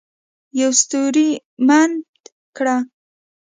یوه ستوري منډه کړه.